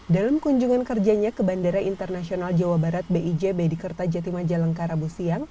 dalam kunjungan kerjanya ke bandara internasional jawa barat bijb di kertajati majalengka rabu siang